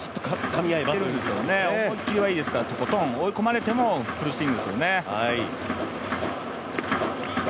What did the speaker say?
思い切りはいいですから、とことん追い込まれてもフルスイングですね。